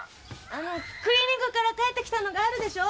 あのクリーニングから返ってきたのがあるでしょ。